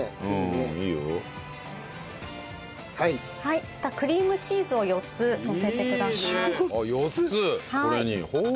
そうしたらクリームチーズを４つのせてください。